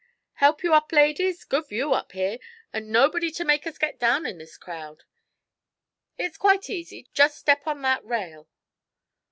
'Help you up, ladies; good view up here, and nobody to make us get down in this crowd. It's quite easy; just step on that rail.'